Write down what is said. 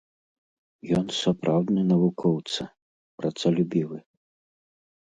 Ён сапраўдны навукоўца, працалюбівы.